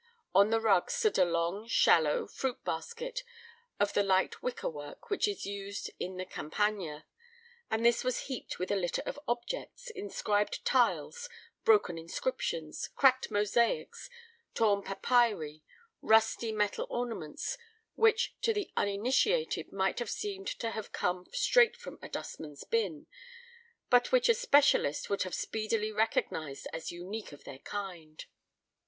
On the rug stood a long, shallow fruit basket of the light wicker work which is used in the Campagna, and this was heaped with a litter of objects, inscribed tiles, broken inscriptions, cracked mosaics, torn papyri, rusty metal ornaments, which to the uninitiated might have seemed to have come straight from a dustman's bin, but which a specialist would have speedily recognized as unique of their kind.